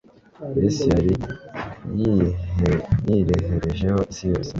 Yesu yari yireherejeho isi yose,